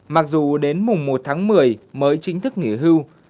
mặc dù đến mùng một tháng một mươi mới chính thức nghỉ hưu